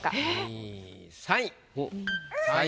２位３位。